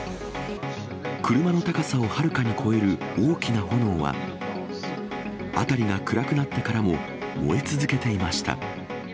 車の高さをはるかに超える大きな炎は、辺りが暗くなってからも燃え続けていました。